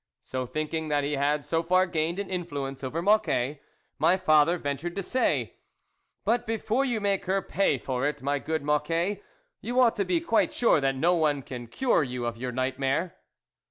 So, thinking that he had so far gained an influence over Mocquet, my father ventured to say :" But before you make her pay for it, my good Mocquet, you ought to be quite sure that no one can cure you of your nightmare."